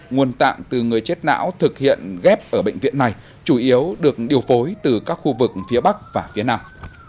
nguồn tạng từ người chết não thực hiện ghép ở bệnh viện này chủ yếu được điều phối từ các khu vực phía bắc và phía nam